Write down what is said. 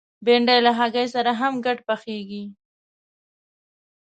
بېنډۍ له هګۍ سره هم ګډ پخېږي